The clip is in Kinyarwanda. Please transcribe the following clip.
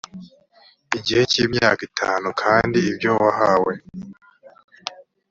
gihe cy imyaka itanu kandi ibyo wahawe